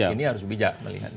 ini harus bijak melihat